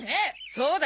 そうだ！